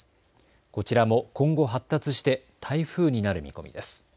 こちらも今後、発達して台風になる見込みです。